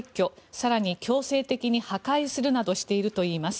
更に強制的に破壊するなどしているといいます。